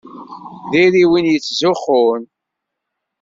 Diri win yettzuxxun.